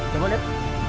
gak pernah liat